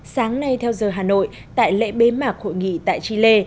sáng nay theo giờ hà nội tại lễ bế mạc hội nghị tại chile